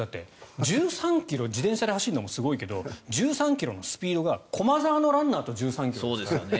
１３ｋｍ自転車で走るのもすごいけど１３ｋｍのスピードが駒澤のランナーと１３ｋｍですから。